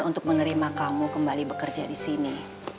untuk menerima kamu kembali bekerja disini